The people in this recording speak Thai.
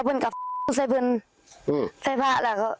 พี่ก็ช่วยซับด้วยนะครับ